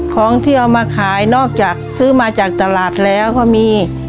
ของที่เอามาขายนอกจากซื้อมาจากตลาดแล้วก็มี